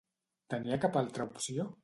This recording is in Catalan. Tenia cap altra opció?